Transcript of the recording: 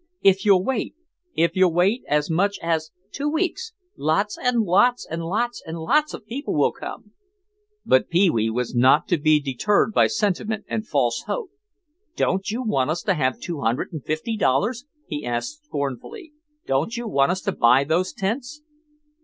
"If you'll wait, if you'll wait as much as—two weeks—lots and lots and lots and lots of people will come—" But Pee wee was not to be deterred by sentiment and false hope. "Don't you want us to have two hundred and fifty dollars?" he asked scornfully. "Don't you want us to buy those tents?"